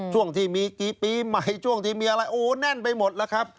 ช่วงที่มีกี่ปีใหม่ช่วงที่มีอะไรโอ้แน่นไปหมดแล้วครับ